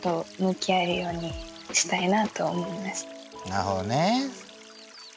なるほどね。